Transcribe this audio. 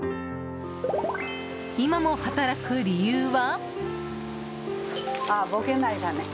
今も働く理由は？